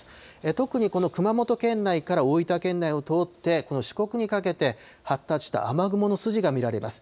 特にこの熊本県内から大分県内を通って、この四国にかけて、発達した雨雲のすじが見られます。